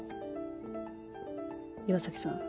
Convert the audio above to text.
岩崎さん